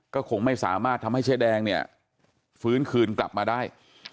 ก็คงไม่สามารถทำให้เจ๊แดงเนี่ยฟื้นคืนกลับมาได้